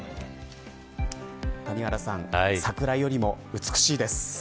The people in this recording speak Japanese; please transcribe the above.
谷原さん桜よりも美しいです。